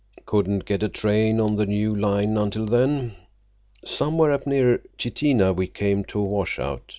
Couldn't get a train on the new line until then. Somewhere up near Chitina we came to a washout.